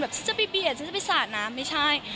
แบบจะไปเบียดจะไปสระน้ำไม่ใช่